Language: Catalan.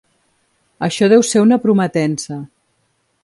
Això deu ser una prometença.